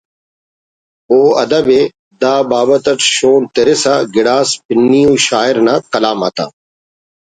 و ادب ءِ دا بابت اٹ شون ترسا گڑاس پِنی ءُ شاعر نا کلام آتا